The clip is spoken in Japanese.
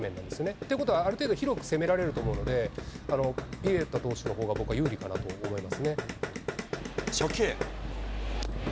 ってことは、ある程度広く攻められると思うので、ピベッタ投手のほうが僕は有利かなと思いますね。